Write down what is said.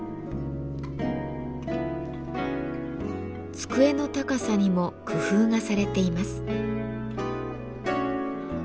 机の高さにも工夫がされています。